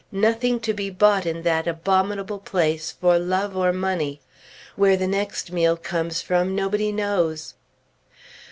Nothing to be bought in that abominable place for love or money. Where the next meal comes from, nobody knows.